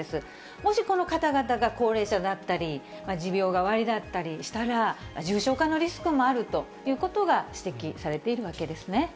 もし、この方々が高齢者だったり、持病がおありだったりしたら、重症化のリスクもあるということが指摘されているわけですね。